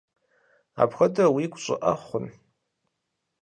Апхуэдэу уигу щӀыӀэ хъун?